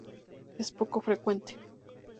Es poco frecuente.